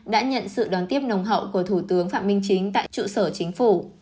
đã nhận sự đón tiếp nồng hậu của thủ tướng phạm minh chính tại trụ sở chính phủ